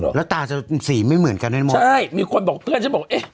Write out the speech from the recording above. แล้วตาจะสีไม่เหมือนกันให้หมดใช่มีคนบอกเพื่อนฉันบอกเอ๊ะ